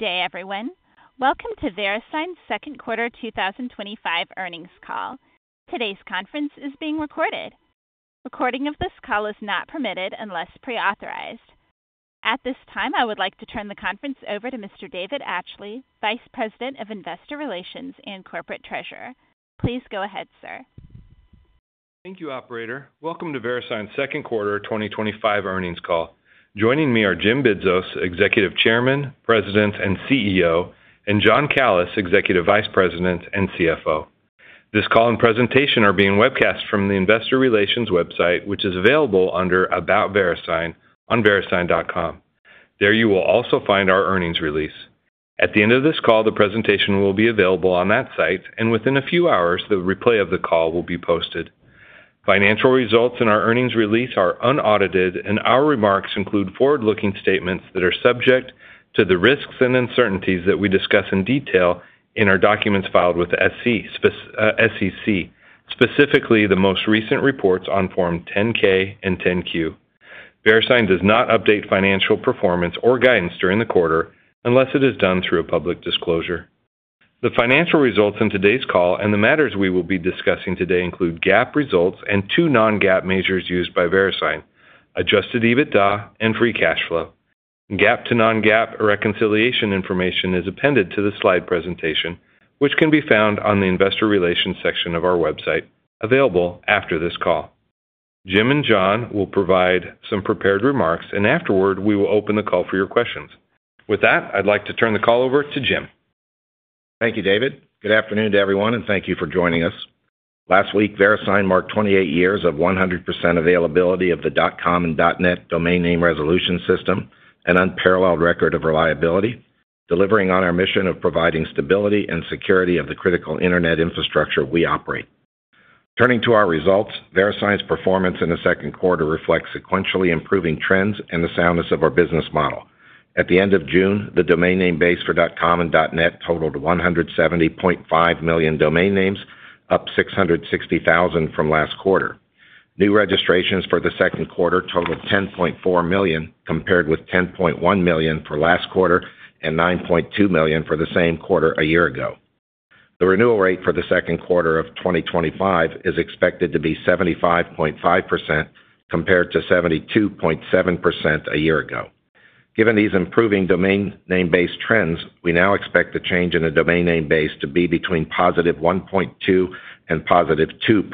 Today, everyone, welcome to VeriSign's second quarter 2025 earnings call. Today's conference is being recorded. Recording of this call is not permitted unless pre-authorized. At this time, I would like to turn the conference over to Mr. David Atchley, Vice President of Investor Relations and Corporate Treasurer. Please go ahead, sir. Thank you, Operator. Welcome to VeriSign's second quarter 2025 earnings call. Joining me are Jim Bidzos, Executive Chairman, President and CEO, and John Calys, Executive Vice President and CFO. This call and presentation are being webcast from the Investor Relations website, which is available under About VeriSign on verisign.com. There you will also find our earnings release. At the end of this call, the presentation will be available on that site, and within a few hours, the replay of the call will be posted. Financial results in our earnings release are unaudited, and our remarks include forward-looking statements that are subject to the risks and uncertainties that we discuss in detail in our documents filed with the SEC, specifically the most recent reports on Form 10-K and 10-Q. VeriSign does not update financial performance or guidance during the quarter unless it is done through a public disclosure. The financial results in today's call and the matters we will be discussing today include GAAP results and two non-GAAP measures used by VeriSign adjusted EBITDA and free cash flow. GAAP to non-GAAP reconciliation information is appended to the slide presentation, which can be found on the Investor Relations section of our website, available after this call. Jim and John will provide some prepared remarks, and afterward, we will open the call for your questions. With that, I'd like to turn the call over to Jim. Thank you, David. Good afternoon to everyone, and thank you for joining us. Last week, VeriSign marked 28 years of 100% availability of the .com and .net domain name resolution system, an unparalleled record of reliability, delivering on our mission of providing stability and security of the critical internet infrastructure we operate. Turning to our results, VeriSign's performance in the second quarter reflects sequentially improving trends and the soundness of our business model. At the end of June, the domain name base for .com and .net totaled 170.5 million domain names, up 660,000 from last quarter. New registrations for the second quarter totaled 10.4 million, compared with 10.1 million for last quarter and 9.2 million for the same quarter a year ago. The renewal rate for the second quarter of 2025 is expected to be 75.5% compared to 72.7% a year ago. Given these improving domain name base trends, we now expect the change in the domain name base to be between positive 1.2% and positive 2%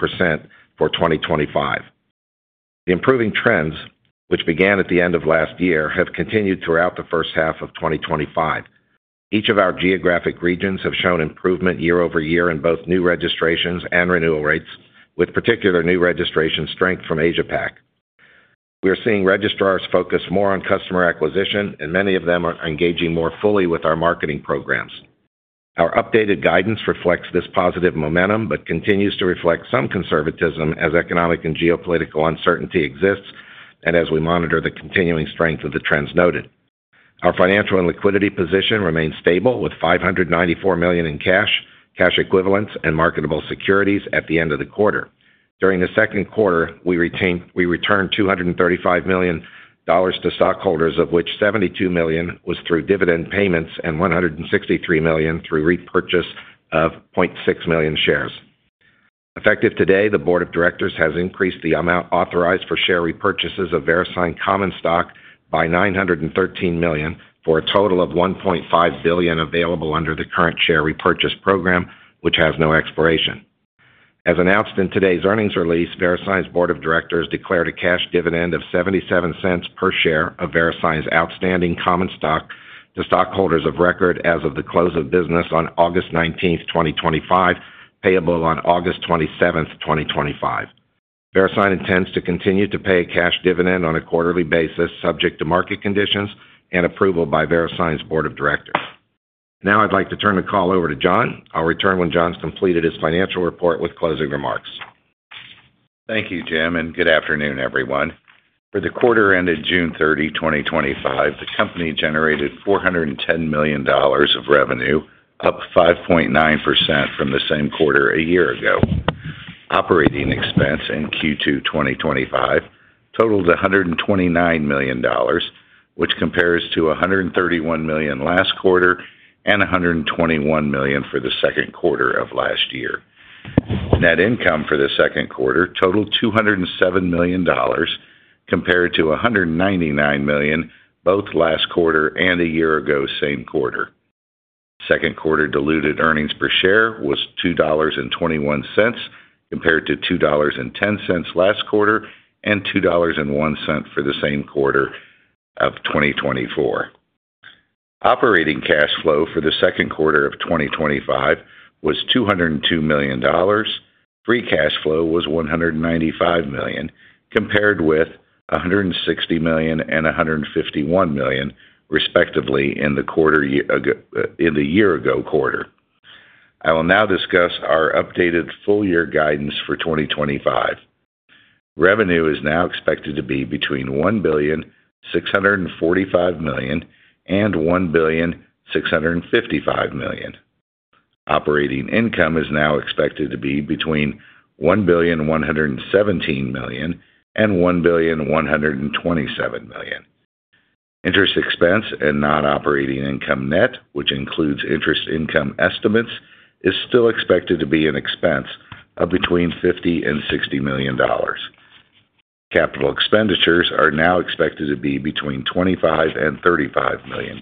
for 2025. The improving trends, which began at the end of last year, have continued throughout the first half of 2025. Each of our geographic regions has shown improvement year-over-year in both new registrations and renewal rates, with particular new registrations strength from Asia-Pacific. We are seeing registrars focus more on customer acquisition, and many of them are engaging more fully with our marketing programs. Our updated guidance reflects this positive momentum but continues to reflect some conservatism as economic and geopolitical uncertainty exists and as we monitor the continuing strength of the trends noted. Our financial and liquidity position remains stable with $594 million in cash, cash equivalents, and marketable securities at the end of the quarter. During the second quarter, we returned $235 million to stockholders, of which $72 million was through dividend payments and $163 million through repurchase of 0.6 million shares. Effective today, the Board of Directors has increased the amount authorized for share repurchases of VeriSign common stock by $913 million for a total of $1.5 billion available under the current share repurchase program, which has no expiration. As announced in today's earnings release, VeriSign's Board of Directors declared a cash dividend of $0.77 per share of VeriSign's outstanding common stock to stockholders of record as of the close of business on August 19th, 2025, payable on August 27th, 2025. VeriSign intends to continue to pay a cash dividend on a quarterly basis, subject to market conditions and approval by VeriSign's Board of Directors. Now, I'd like to turn the call over to John. I'll return when John's completed his financial report with closing remarks. Thank you, Jim, and good afternoon, everyone. For the quarter ended June 30, 2025, the company generated $410 million of revenue, up 5.9% from the same quarter a year ago. Operating expense in Q2 2025 totaled $129 million, which compares to $131 million last quarter and $121 million for the second quarter of last year. Net income for the second quarter totaled $207 million, compared to $199 million both last quarter and a year ago, same quarter. Second quarter diluted earnings per share was $2.21 compared to $2.10 last quarter and $2.01 for the same quarter of 2024. Operating cash flow for the second quarter of 2025 was $202 million. Free cash flow was $195 million compared with $160 million and $151 million, respectively, in the year ago quarter. I will now discuss our updated full-year guidance for 2025. Revenue is now expected to be between $1.645 billion and $1.655 billion. Operating income is now expected to be between $1.117 billion and $1.127 billion. Interest expense and non-operating income net, which includes interest income estimates, is still expected to be an expense of between $50 million and $60 million. Capital expenditures are now expected to be between $25 million and $35 million.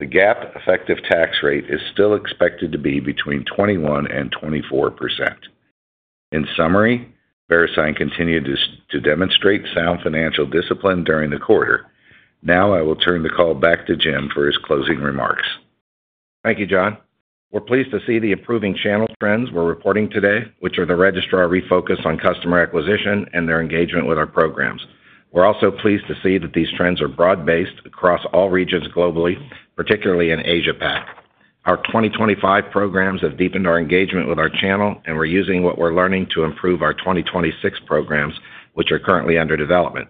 The GAAP effective tax rate is still expected to be between 21% and 24%. In summary, VeriSign continued to demonstrate sound financial discipline during the quarter. Now, I will turn the call back to Jim for his closing remarks. Thank you, John. We're pleased to see the improving channel trends we're reporting today, which are the registrar refocus on customer acquisition and their engagement with our programs. We're also pleased to see that these trends are broad-based across all regions globally, particularly in Asia-Pacific. Our 2025 programs have deepened our engagement with our channel, and we're using what we're learning to improve our 2026 programs, which are currently under development.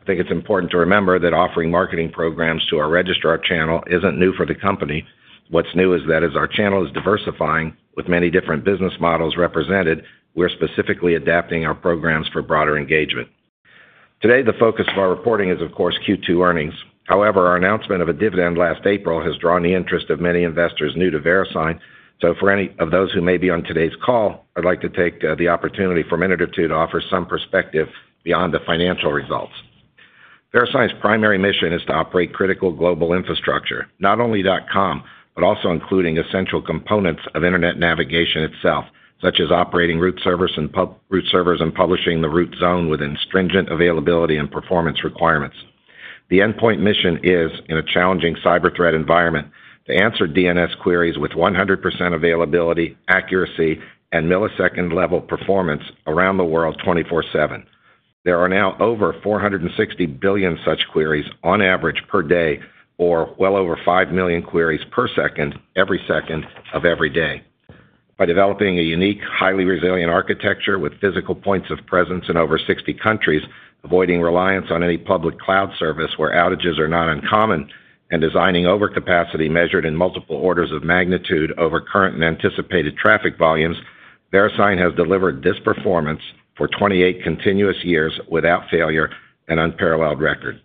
I think it's important to remember that offering marketing programs to our registrar channel isn't new for the company. What's new is that as our channel is diversifying with many different business models represented, we're specifically adapting our programs for broader engagement. Today, the focus of our reporting is, of course, Q2 earnings. However, our announcement of a dividend last April has drawn the interest of many investors new to VeriSign. For any of those who may be on today's call, I'd like to take the opportunity for a minute or two to offer some perspective beyond the financial results. VeriSign's primary mission is to operate critical global infrastructure, not only .com, but also including essential components of internet navigation itself, such as operating root servers and publishing the root zone within stringent availability and performance requirements. The endpoint mission is, in a challenging cyber threat environment, to answer DNS queries with 100% availability, accuracy, and millisecond-level performance around the world 24/7. There are now over 460 billion such queries on average per day, or well over 5 million queries per second, every second of every day. By developing a unique, highly resilient architecture with physical points of presence in over 60 countries, avoiding reliance on any public cloud service where outages are not uncommon, and designing overcapacity measured in multiple orders of magnitude over current and anticipated traffic volumes, VeriSign has delivered this performance for 28 continuous years without failure, an unparalleled record.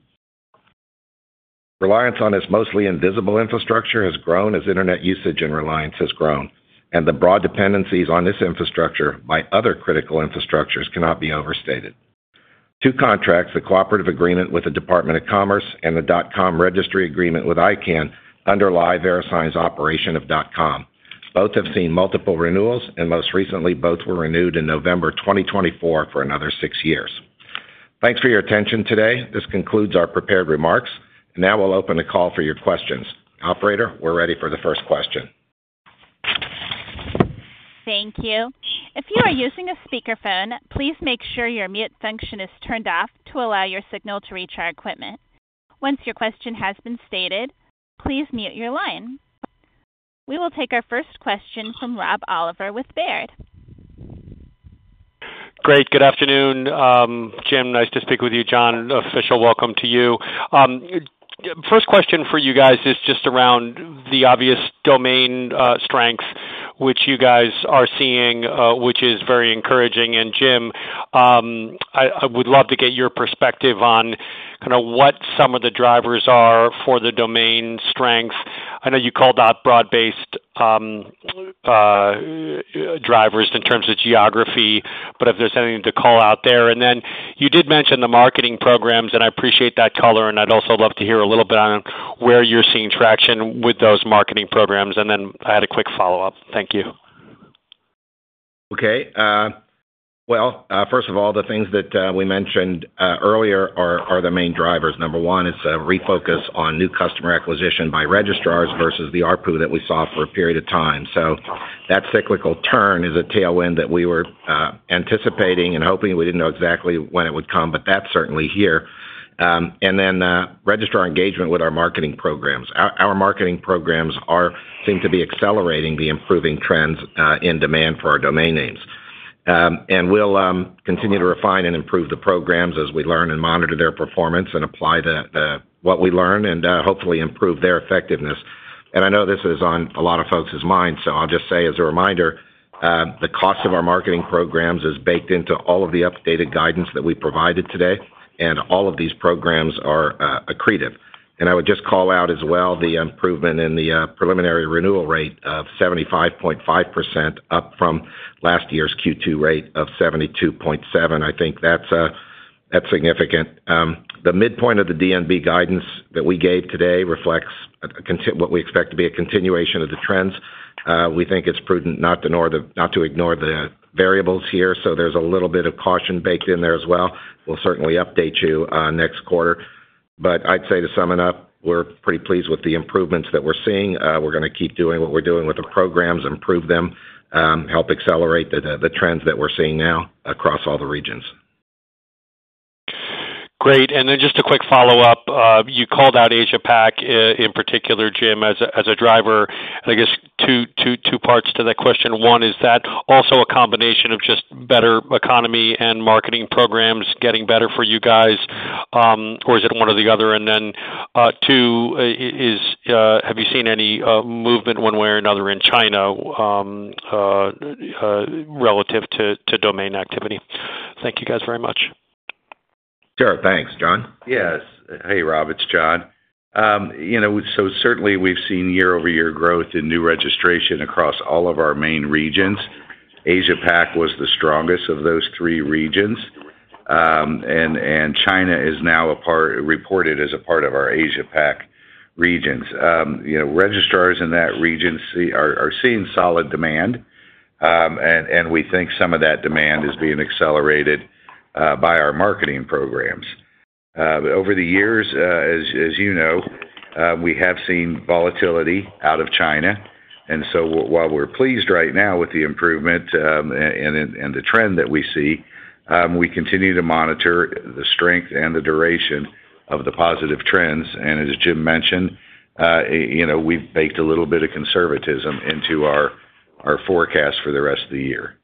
Reliance on this mostly invisible infrastructure has grown as internet usage and reliance has grown, and the broad dependencies on this infrastructure by other critical infrastructures cannot be overstated. Two contracts, the cooperative agreement with the U.S. Department of Commerce and the .com registry agreement with ICANN, underlie VeriSign's operation of .com. Both have seen multiple renewals, and most recently, both were renewed in November 2024 for another six years. Thanks for your attention today. This concludes our prepared remarks. Now, we'll open the call for your questions. Operator, we're ready for the first question. Thank you. If you are using a speakerphone, please make sure your mute function is turned off to allow your signal to reach our equipment. Once your question has been stated, please mute your line. We will take our first question from Rob Oliver with Baird. Great. Good afternoon. Jim, nice to speak with you. John, official welcome to you. First question for you guys is just around the obvious domain strength, which you guys are seeing, which is very encouraging. Jim, I would love to get your perspective on kind of what some of the drivers are for the domain strength. I know you called out broad-based drivers in terms of geography, but if there's anything to call out there. You did mention the marketing programs, and I appreciate that color. I'd also love to hear a little bit on where you're seeing traction with those marketing programs. I had a quick follow-up. Thank you. Okay. First of all, the things that we mentioned earlier are the main drivers. Number one is a refocus on new customer acquisition by registrars versus the ARPU that we saw for a period of time. That cyclical turn is a tailwind that we were anticipating and hoping. We did not know exactly when it would come, but that is certainly here. Registrar engagement with our marketing programs seems to be accelerating the improving trends in demand for our domain names. We will continue to refine and improve the programs as we learn and monitor their performance and apply what we learn and hopefully improve their effectiveness. I know this is on a lot of folks' minds, so I will just say as a reminder, the cost of our marketing programs is baked into all of the updated guidance that we provided today, and all of these programs are accretive. I would just call out as well the improvement in the preliminary renewal rate of 75.5%, up from last year's Q2 rate of 72.7%. I think that is significant. The midpoint of the domain name base guidance that we gave today reflects what we expect to be a continuation of the trends. We think it is prudent not to ignore the variables here, so there is a little bit of caution baked in there as well. We will certainly update you next quarter. I would say to sum it up, we are pretty pleased with the improvements that we are seeing. We are going to keep doing what we are doing with the programs, improve them, help accelerate the trends that we are seeing now across all the regions. Great. And then just a quick follow-up. You called out Asia-Pacific in particular, Jim, as a driver. I guess two parts to that question. One, is that also a combination of just better economy and marketing programs getting better for you guys, or is it one or the other? Two, have you seen any movement one way or another in China relative to domain activity? Thank you guys very much. Sure. Thanks, John. Yes. Hey, Rob. It's John. Certainly, we've seen year-over-year growth in new registration across all of our main regions. Asia-Pacific was the strongest of those three regions. China is now reported as a part of our Asia-Pacific regions. Registrars in that region are seeing solid demand. We think some of that demand is being accelerated by our marketing programs. Over the years, as you know, we have seen volatility out of China. While we're pleased right now with the improvement and the trend that we see, we continue to monitor the strength and the duration of the positive trends. As Jim mentioned, we've baked a little bit of conservatism into our forecast for the rest of the year.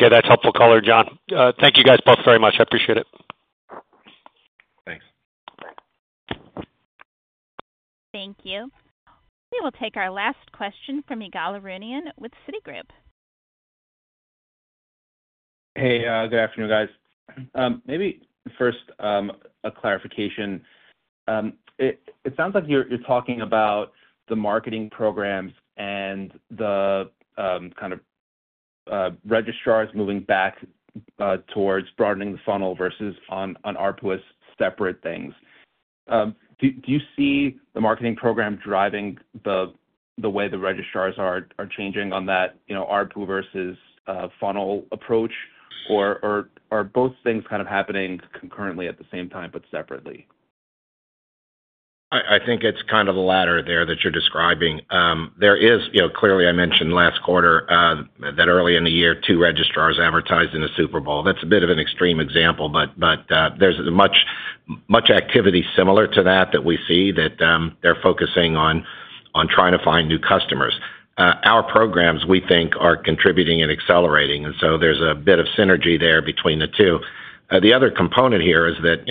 Yeah, that's helpful color, John. Thank you guys both very much. I appreciate it. Thanks. Thank you. We will take our last question from Igala Runian with Citi group. Hey, good afternoon, guys. Maybe first, a clarification. It sounds like you're talking about the marketing programs and the kind of registrars moving back towards broadening the funnel versus on ARPU as separate things. Do you see the marketing program driving the way the registrars are changing on that ARPU versus funnel approach, or are both things kind of happening concurrently at the same time but separately? I think it's kind of the latter there that you're describing. There is, clearly, I mentioned last quarter that early in the year, two registrars advertised in a Super Bowl. That's a bit of an extreme example, but there's much activity similar to that that we see that they're focusing on trying to find new customers. Our programs, we think, are contributing and accelerating, and so there's a bit of synergy there between the two. The other component here is that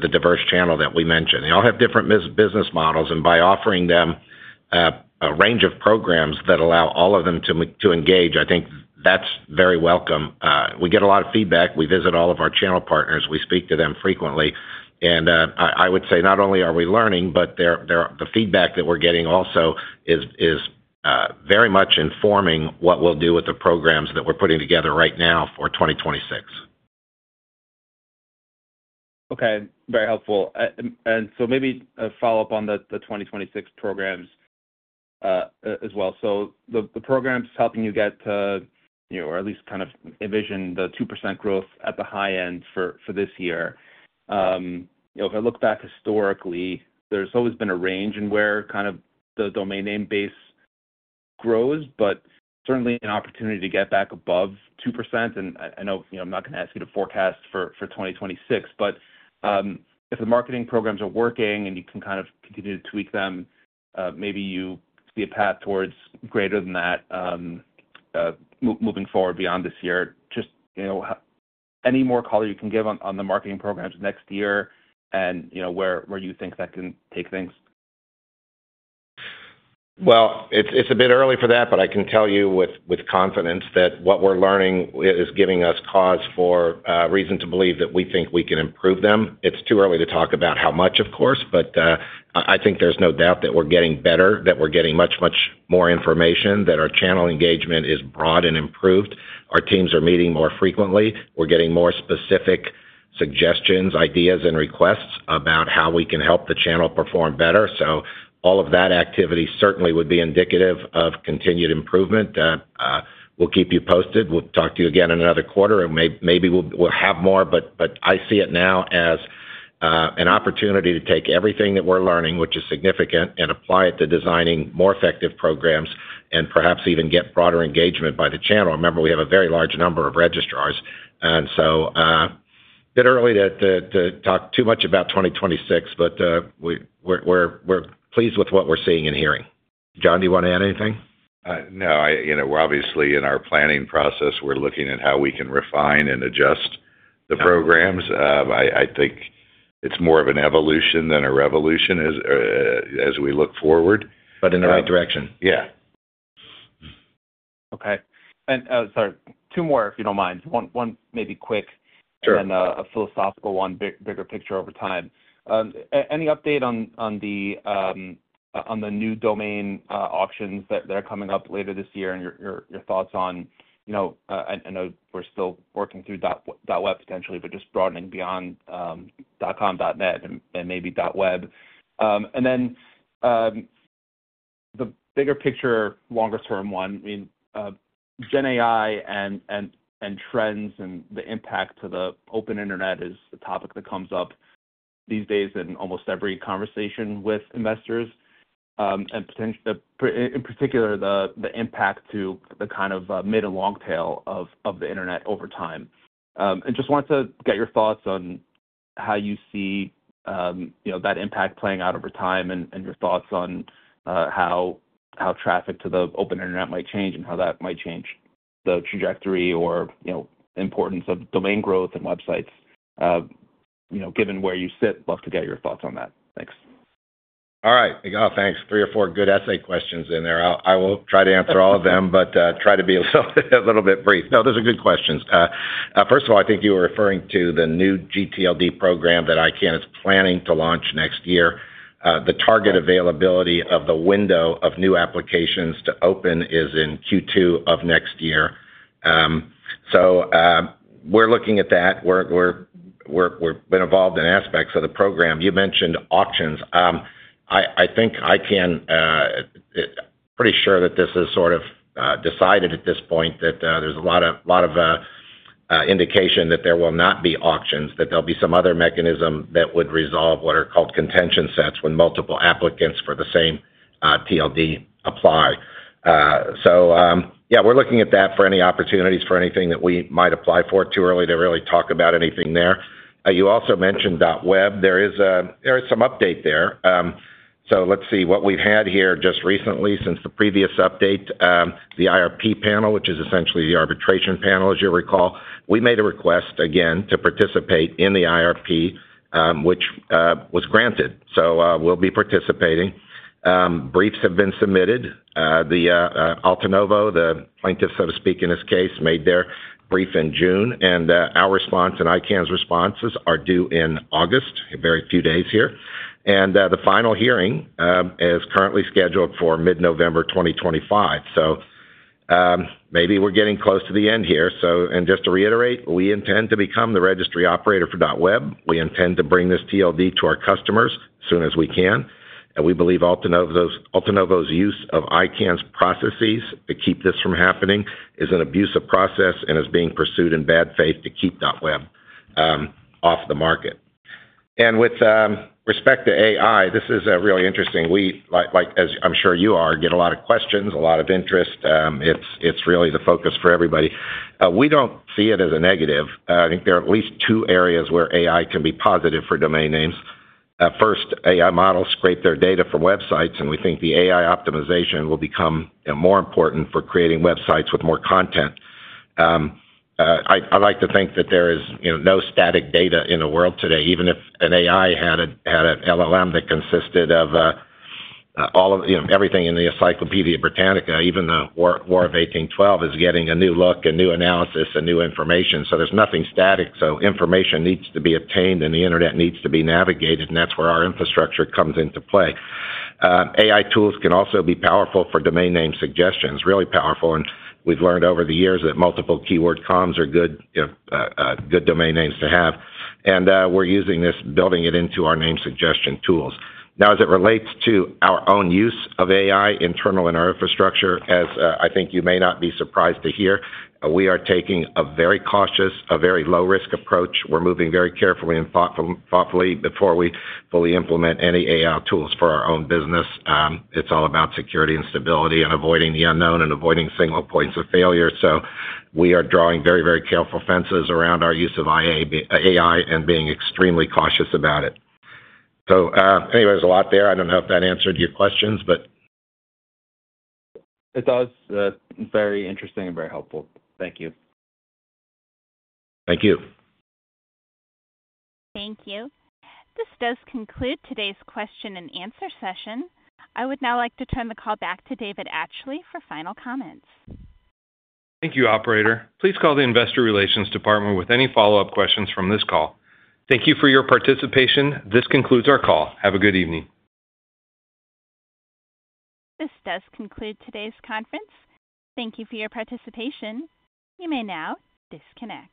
the diverse channel that we mentioned. They all have different business models, and by offering them a range of programs that allow all of them to engage, I think that's very welcome. We get a lot of feedback. We visit all of our channel partners. We speak to them frequently. I would say not only are we learning, but the feedback that we're getting also is very much informing what we'll do with the programs that we're putting together right now for 2026. Okay. Very helpful. Maybe a follow-up on the 2026 programs as well. The programs helping you get, or at least kind of envision, the 2% growth at the high end for this year. If I look back historically, there's always been a range in where kind of the domain name base grows, but certainly an opportunity to get back above 2%. I know I'm not going to ask you to forecast for 2026, but if the marketing programs are working and you can kind of continue to tweak them, maybe you see a path towards greater than that moving forward beyond this year. Just any more color you can give on the marketing programs next year and where you think that can take things? It is a bit early for that, but I can tell you with confidence that what we're learning is giving us cause for reason to believe that we think we can improve them. It is too early to talk about how much, of course, but I think there is no doubt that we're getting better, that we're getting much, much more information, that our channel engagement is broad and improved. Our teams are meeting more frequently. We're getting more specific suggestions, ideas, and requests about how we can help the channel perform better. All of that activity certainly would be indicative of continued improvement. We'll keep you posted. We'll talk to you again in another quarter, and maybe we'll have more, but I see it now as an opportunity to take everything that we're learning, which is significant, and apply it to designing more effective programs and perhaps even get broader engagement by the channel. Remember, we have a very large number of registrars. It is a bit early to talk too much about 2026, but we're pleased with what we're seeing and hearing. John, do you want to add anything? No. Obviously, in our planning process, we're looking at how we can refine and adjust the programs. I think it's more of an evolution than a revolution as we look forward. In the right direction. Yeah. Okay. And sorry, two more, if you don't mind. One maybe quick and then a philosophical one, bigger picture over time. Any update on the new domain auctions that are coming up later this year and your thoughts on, I know we're still working through .web potentially, but just broadening beyond .com, .net, and maybe .web. The bigger picture, longer-term one, I mean, genAI and trends and the impact to the open internet is a topic that comes up these days in almost every conversation with investors. In particular, the impact to the kind of mid and long tail of the internet over time. Just wanted to get your thoughts on how you see that impact playing out over time and your thoughts on how traffic to the open internet might change and how that might change the trajectory or importance of domain growth and websites. Given where you sit, love to get your thoughts on that. Thanks. All right. Oh, thanks. Three or four good essay questions in there. I will try to answer all of them, but try to be a little bit brief. No, those are good questions. First of all, I think you were referring to the new gTLD program that ICANN is planning to launch next year. The target availability of the window of new applications to open is in Q2 of next year. We are looking at that. We have been involved in aspects of the program. You mentioned auctions. I think ICANN, pretty sure that this is sort of decided at this point, that there is a lot of indication that there will not be auctions, that there will be some other mechanism that would resolve what are called contention sets when multiple applicants for the same TLD apply. We are looking at that for any opportunities for anything that we might apply for. Too early to really talk about anything there. You also mentioned .web. There is some update there. What we have had here just recently since the previous update, the IRP panel, which is essentially the arbitration panel, as you recall, we made a request again to participate in the IRP, which was granted. We will be participating. Briefs have been submitted. Altenovo, the plaintiff, so to speak, in this case, made their brief in June. Our response and ICANN's responses are due in August, in a very few days here. The final hearing is currently scheduled for mid-November 2025. Maybe we are getting close to the end here. Just to reiterate, we intend to become the registry operator for .web. We intend to bring this TLD to our customers as soon as we can. We believe Altenovo's use of ICANN's processes to keep this from happening is an abusive process and is being pursued in bad faith to keep .web off the market. With respect to AI, this is really interesting. We, like I am sure you are, get a lot of questions, a lot of interest. It is really the focus for everybody. We do not see it as a negative. I think there are at least two areas where AI can be positive for domain names. First, AI models scrape their data from websites, and we think the AI optimization will become more important for creating websites with more content. I would like to think that there is no static data in the world today. Even if an AI had an LLM that consisted of everything in the Encyclopedia Britannica, even the War of 1812 is getting a new look, a new analysis, and new information. There is nothing static. Information needs to be obtained, and the internet needs to be navigated, and that is where our infrastructure comes into play. AI tools can also be powerful for domain name suggestions, really powerful. We have learned over the years that multiple keyword comms are good domain names to have. We're using this, building it into our name suggestion tools. Now, as it relates to our own use of AI internal in our infrastructure, as I think you may not be surprised to hear, we are taking a very cautious, a very low-risk approach. We're moving very carefully and thoughtfully before we fully implement any AI tools for our own business. It's all about security and stability and avoiding the unknown and avoiding single points of failure. We are drawing very, very careful fences around our use of AI and being extremely cautious about it. Anyway, there's a lot there. I don't know if that answered your questions, but. It does. Very interesting and very helpful. Thank you. Thank you. Thank you. This does conclude today's question and answer session. I would now like to turn the call back to David Atchley for final comments. Thank you, operator. Please call the Investor Relations Department with any follow-up questions from this call. Thank you for your participation. This concludes our call. Have a good evening. This does conclude today's conference. Thank you for your participation. You may now disconnect.